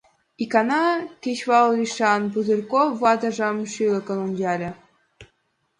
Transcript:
Икана, кечывал лишан, Пузырьков ватыжым шӱлыкын ончале.